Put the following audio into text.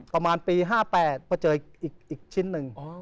ประมาณปี๕๘พอเจออีกชิ้นหนึ่ง